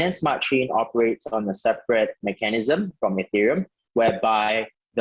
binance smart chain mengoperasikan mekanisme yang berbeda dari ethereum